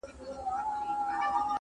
• خُم به سر پر سر تشيږي -